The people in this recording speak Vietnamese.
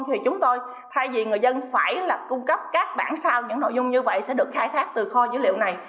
thì chúng tôi thay vì người dân phải là cung cấp các bản sao những nội dung như vậy sẽ được khai thác từ kho dữ liệu này